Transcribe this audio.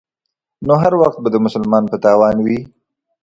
نو هر وخت به د مسلمان په تاوان وي.